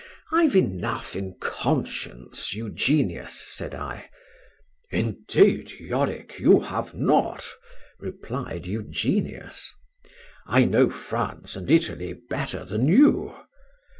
—I've enough in conscience, Eugenius, said I.—Indeed, Yorick, you have not, replied Eugenius; I know France and Italy better than you.